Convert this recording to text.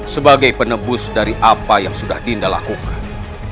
sebagai penebus dari apa yang sudah dinda lakukan